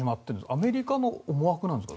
アメリカの思惑なんですか？